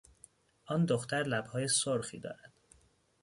آن دختر لبهای سرخی دارد.